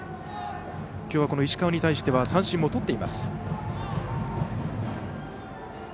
きょうは、この石川に対しては三振もとっています。